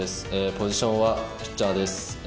ポジションはピッチャーです。